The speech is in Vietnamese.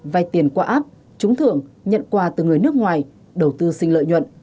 vai tiền qua app trúng thưởng nhận quà từ người nước ngoài đầu tư sinh lợi nhuận